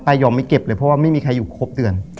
ยอมไม่เก็บเลยเพราะว่าไม่มีใครอยู่ครบเดือน